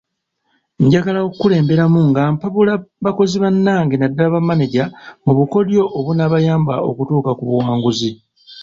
Njagala okukulemberamu nga mpabula bakozi bannange naddala bamaneja mu bukodyo obunaabayamba okutuuka ku buwanguzi.